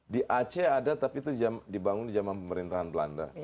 di aceh ada tapi itu dibangun di zaman pemerintahan belanda